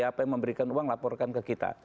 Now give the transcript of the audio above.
siapa yang memberikan uang laporkan ke kita